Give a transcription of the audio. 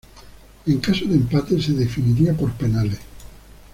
En caso de empate se definiría por penales.